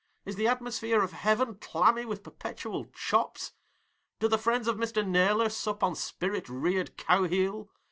Is the atmosphere of heaven clammy with perpetual chops? Do the friends of Mr Naylor sup on spirit reared cow heel?